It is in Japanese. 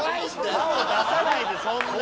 歯を出さないでそんなに。